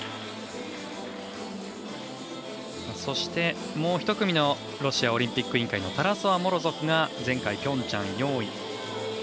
そして、もう１組のロシアオリンピック委員会のタラソワ、モロゾフが前回ピョンチャン４位。